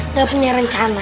udah punya rencana